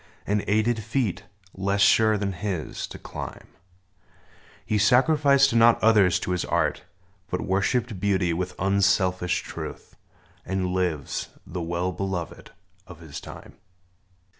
And aided feet, less sure than his, to climb : He sacrificed not others to his art. But worshiped beauty with unselfish truth, And lives, the well beloved of his time